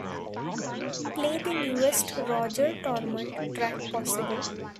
Play the newest Roger Troutman track possible